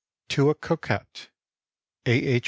TO A COQUETTE (A. H.